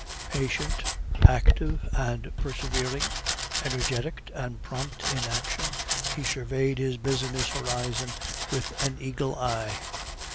Patient, active, and persevering, energetic and prompt in action, he surveyed his business horizon with an eagle eye.